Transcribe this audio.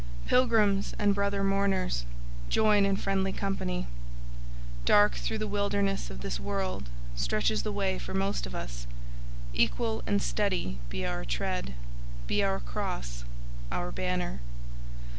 Pilgrims and brother mourners, join in friendly company. Dark through the wilderness of this world stretches the way for most of us: equal and steady be our tread; be our cross our banner.